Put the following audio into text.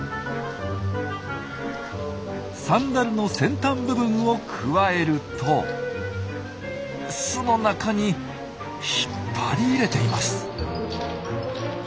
サンダルの先端部分をくわえると巣の中に引っ張り入れています。